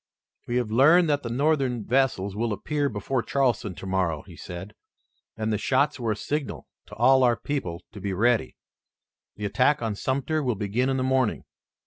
"We have learned that the Northern vessels will appear before Charleston tomorrow," he said, "and the shots were a signal to all our people to be ready. The attack on Sumter will begin in the morning.